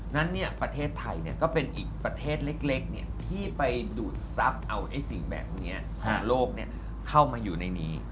นั้นประเทศไทยก็เป็นอีกประเทศเล็กที่ไปดูดทรัพย์เอาสิ่งแบบนี้ของโลกเข้ามาอยู่ในนี้